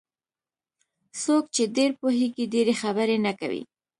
څوک چې ډېر پوهېږي ډېرې خبرې نه کوي.